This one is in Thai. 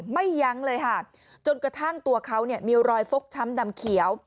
ยั้งเลยค่ะจนกระทั่งตัวเขาเนี่ยมีรอยฟกช้ำดำเขียว